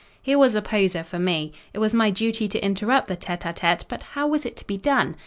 Here was a poser for me. It was my duty to interrupt the tête à tête: but how was it to be done?